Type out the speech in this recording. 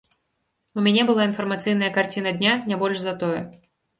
У мяне была інфармацыйная карціна дня, не больш за тое.